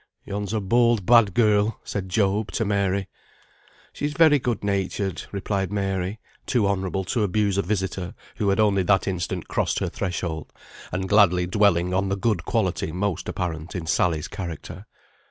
"Yon's a bold, bad girl," said Job to Mary. "She's very good natured," replied Mary, too honourable to abuse a visitor who had only that instant crossed her threshold, and gladly dwelling on the good quality most apparent in Sally's character.